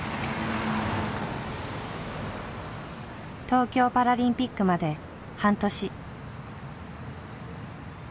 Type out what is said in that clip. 東京パラリンピックまで半年。